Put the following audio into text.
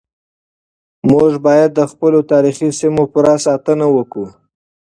موږ بايد د خپلو تاريخي سيمو پوره ساتنه وکړو.